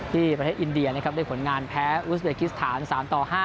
ประเทศอินเดียนะครับได้ผลงานแพ้อุสเบกิสถาน๓ต่อ๕